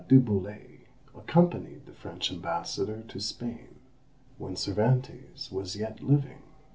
Du Boulay accompanied the French ambassador to Spain, when Cervantes was yet living.